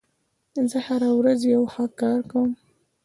زه هره ورځ یو ښه کار کوم.